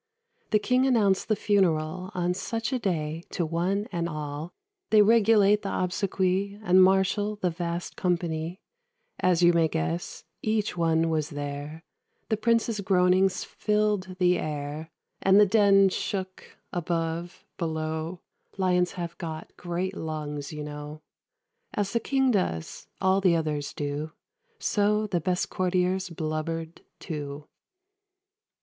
The King announced the funeral On such a day, to one and all. They regulate the obsequy, And marshal the vast company: As you may guess, each one was there; The prince's groanings filled the air; And the den shook, above, below Lions have got great lungs, you know. As the King does, all the others do; So the best courtiers blubbered too.